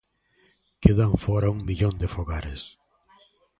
Quedan fóra un millón de fogares.